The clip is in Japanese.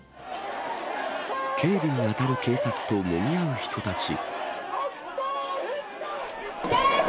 警備に当たる警察ともみ合う人たち。